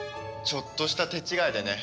ちょっとした手違いでね。